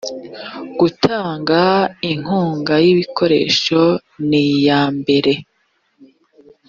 gutanga inkunga y ibikoresho n iyambere